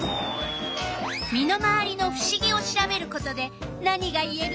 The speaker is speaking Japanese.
身の回りのふしぎを調べることで何がいえる？